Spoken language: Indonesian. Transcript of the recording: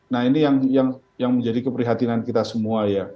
nah ini yang menjadi keprihatinan kita semua ya